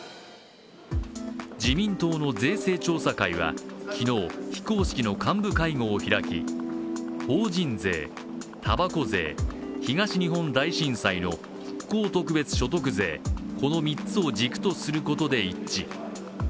自民党の税制調査会は昨日、非公式の幹部会合を開き法人税、たばこ税、東日本大震災の復興特別所得税この３つを軸とすることで一致。